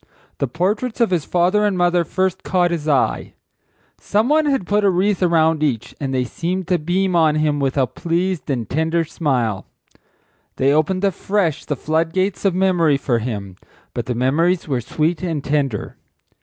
The portraits of his father and mother first caught his eye. Some one had put a wreath around each and they seemed to beam on him with a pleased and tender smile. They opened afresh the flood gates of memory for him, but the memories were sweet and tender.